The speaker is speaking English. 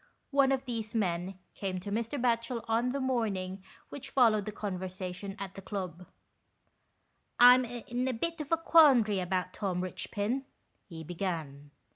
One of these men came to Mr. Batchel on the morning which followed the conversation at the club. "I'm in a bit of a quandary about Tom Richpin," he began.